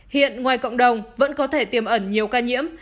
hiện ngoài cộng đồng vẫn có thể tiềm ẩn nhiều ca nhiễm